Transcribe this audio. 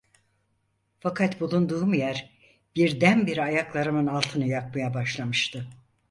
Fakat bulunduğum yer, birdenbire ayaklarımın altını yakmaya başlamıştı!